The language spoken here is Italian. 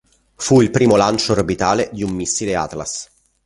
Fu il primo lancio orbitale di un missile Atlas.